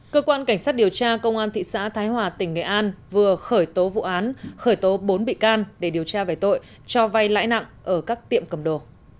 cơ quan cảnh sát điều tra công an thị xã thái hòa tỉnh nghệ an vừa khởi tố vụ án khởi tố bốn bị can để điều tra về tội cho vay lãi nặng ở các tiệm cầm đồ